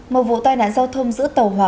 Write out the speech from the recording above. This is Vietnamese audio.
một vụ tai nạn giao thông giữa tàu hỏa